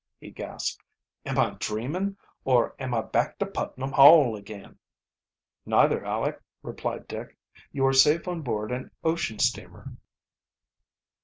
he gasped. "Am I dreamin', or am I back to Putnam Hall again?" "Neither, Aleck," replied Dick. "You are safe on board an ocean steamer."